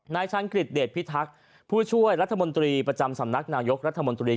ชังกฤษเดชพิทักษ์ผู้ช่วยรัฐมนตรีประจำสำนักนายกรัฐมนตรี